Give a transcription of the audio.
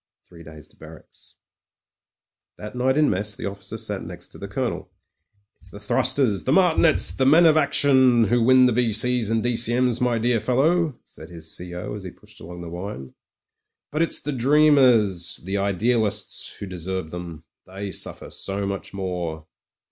Three days to barracks." •••••• That night in mess the officer sat next to the Colonel. "It's the thrusters, the martinets, the men of action PRIVATE MEYRICK— COMPANY IDIOT 63 who win the V.C.'s and D.C.M/s, my dear fellow," said his CO., as he pushed along the wine. "But it's the dreamers, the idealists who deserve them. They suffer so much more."